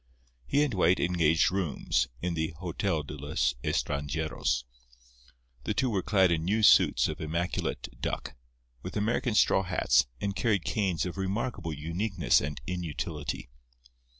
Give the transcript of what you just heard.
He and White engaged rooms in the Hotel de los Estranjeros. The two were clad in new suits of immaculate duck, with American straw hats, and carried canes of remarkable uniqueness and inutility.